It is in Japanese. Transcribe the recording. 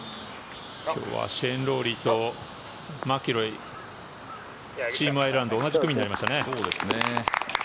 今日はシェーン・ローリーとマキロイチーム・アイランドは同じ組になりましたね。